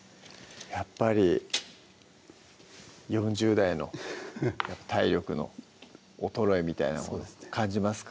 やっぱり４０代の体力の衰えみたいなもの感じますか？